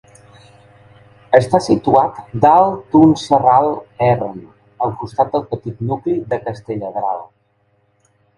Està situat dalt un serral erm, al costat del petit nucli de Castelladral.